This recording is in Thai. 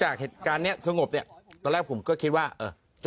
พลิกต๊อกเต็มเสนอหมดเลยพลิกต๊อกเต็มเสนอหมดเลย